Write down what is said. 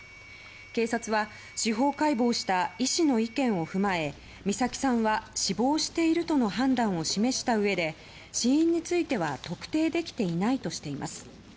警察は、司法解剖した医師の意見を踏まえ美咲さんは、死亡しているとの判断を示したうえで死因については特定できていないとしています。